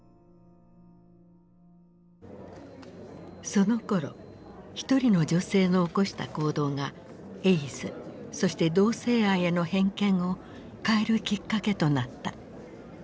そのころ一人の女性の起こした行動がエイズそして同性愛への偏見を変えるきっかけとなった。